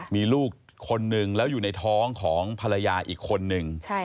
มีลูกคนนึงแล้วอยู่ในท้องของภรรยาอีกคนนึง